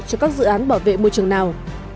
cho các dự án bảo vệ môi trường nào